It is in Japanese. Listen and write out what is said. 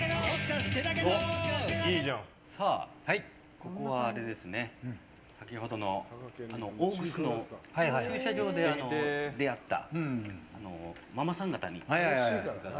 ここは先ほどの大楠の駐車場で出会ったママさん方に。